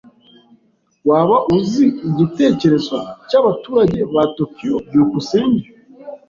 Waba uzi igitekerezo cyabaturage ba Tokiyo? byukusenge